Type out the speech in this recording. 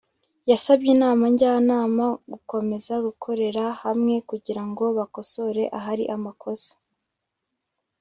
yasabye Inama Njyanama gukomeza gukorera hamwe kugira ngo bakosore ahari amakosa